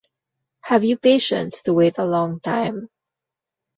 Have you patience to wait a long time?